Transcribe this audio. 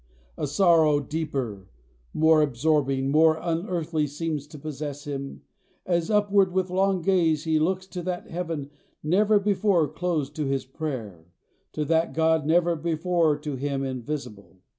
A sorrow deeper, more absorbing, more unearthly seems to possess him, as upward with long gaze he looks to that heaven never before closed to his prayer, to that God never before to him invisible.